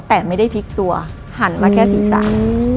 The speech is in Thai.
แต่ไม่ได้พลิกตัวหันมาแค่ศีรษะ